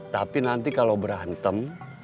tapi nanti kalau berantem